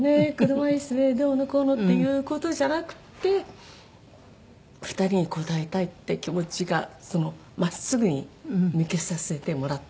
車椅子でどうのこうのっていう事じゃなくって２人に応えたいって気持ちがその真っすぐに向けさせてもらったんですよね。